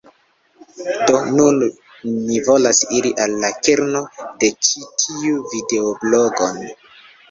Do nun, mi volas iri al la kerno de ĉi tiu videoblogon.